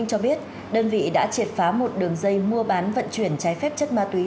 cho biết đơn vị đã triệt phá một đường dây mua bán vận chuyển trái phép chất ma túy